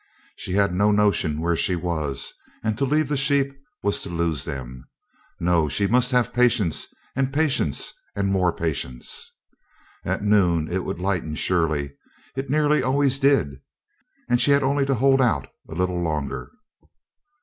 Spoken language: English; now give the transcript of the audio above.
She had no notion where she was, and to leave the sheep was to lose them. No, she must have patience and patience and more patience. At noon it would lighten surely it nearly always did and she had only to hold out a little longer.